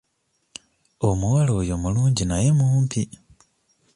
Omuwala oyo mulungi naye mumpi.